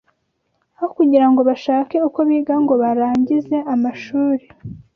Aho kugira ngo bashake uko biga ngo barangize amashuri